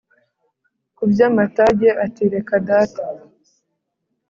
ku by’amatage, ati : reka data